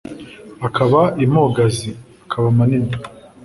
akaba impogazi: akaba manini